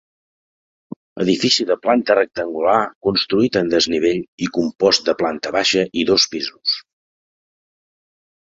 Edifici de planta rectangular construït en desnivell i compost de planta baixa i dos pisos.